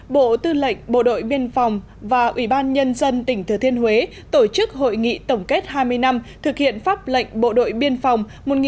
bộ tư lệnh bộ đội biên phòng và ủy ban nhân dân tỉnh thừa thiên huế tổ chức hội nghị tổng kết hai mươi năm thực hiện pháp lệnh bộ đội biên phòng một nghìn chín trăm chín mươi bảy hai nghìn một mươi bảy